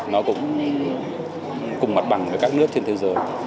nó cũng cùng mặt bằng với các nước trên thế giới